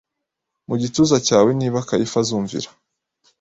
mu gituza cyawe Niba Kayifa uzumvira